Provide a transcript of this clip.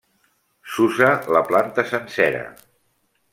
S'usa la planta sencera.